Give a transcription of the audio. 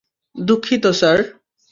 দুঃখিত, স্যার।